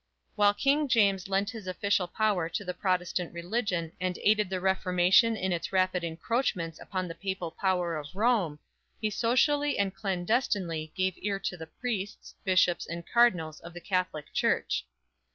While King James lent his official power to the Protestant religion and aided the Reformation in its rapid encroachments upon the papal power of Rome, he socially and clandestinely gave ear to the priests, bishops and cardinals of the Catholic church.